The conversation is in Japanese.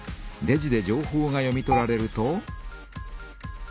レジで情報が読み取られると。